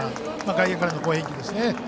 外野からの好返球ですね。